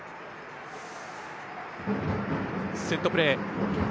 セットプレーです。